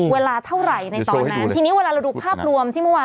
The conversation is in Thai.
เวลาเท่าไหร่ในตอนนั้นทีนี้เวลาเราดูภาพรวมที่เมื่อวาน